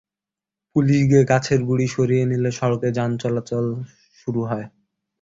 Police গিয়ে গাছের গুঁড়ি সরিয়ে নিলে সড়কে যান চলাচল শুরু হয়।